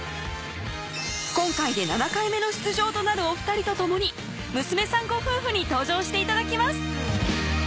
今回で７回目の出場となるお２人と共に娘さんご夫婦に登場して頂きます